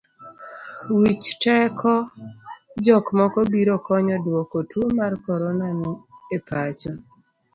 Wich teko jok moko biro konyo duoko tuo mar korona e pachoka.